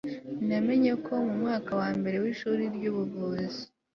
namenye ko mu mwaka wa mbere w'ishuri ry'ubuvuzi